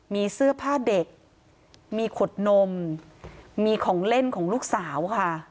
มีเสื้อผ้าเด็กมีขวดนมมีของเล่นของลูกสาวค่ะ